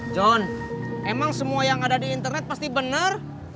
john emang semua yang ada di internet pasti benar